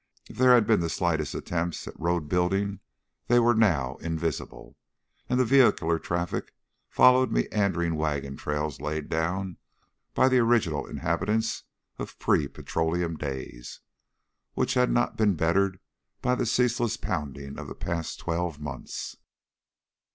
If there had been the slightest attempts at road building they were now invisible, and the vehicular streams followed meandering wagon trails laid down by the original inhabitants of pre petroleum days, which had not been bettered by the ceaseless pounding of the past twelve months.